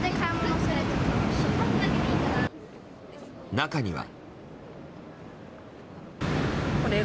中には。